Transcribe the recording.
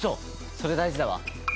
それ大事だわ。